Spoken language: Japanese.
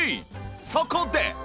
そこで！